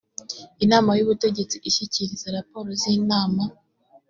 inama y ubutegetsi ishyikiriza raporo z inama